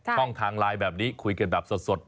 ช่องทางไลน์แบบนี้คุยกันแบบสด